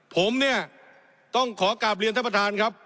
ผมเนี่ยต้องขอกลับเรียนท่านประธานครับ